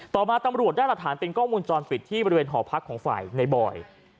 ต่อมาตำรวจได้หลักฐานเป็นกล้องวงจรปิดที่บริเวณหอพักของฝ่ายในบอย